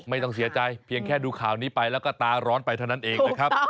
ไม่ต้องเสียใจเพียงแค่ดูข่าวนี้ไปแล้วก็ตาร้อนไปเท่านั้นเองนะครับ